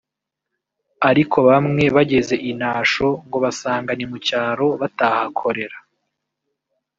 ariko bamwe bageze i Nasho ngo basanga ni mu cyaro batahakorera